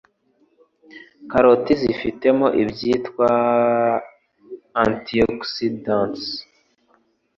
Karoti zifitemo ibyitwa antioxidants